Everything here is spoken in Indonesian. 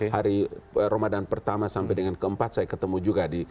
hari ramadan pertama sampai dengan keempat saya ketemu juga di